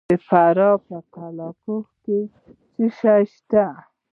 د فراه په قلعه کاه کې څه شی شته؟